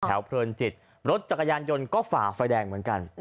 เพลินจิตรถจักรยานยนต์ก็ฝ่าไฟแดงเหมือนกัน